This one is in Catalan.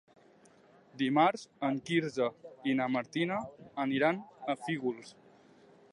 Dimarts en Quirze i na Martina aniran a Fígols.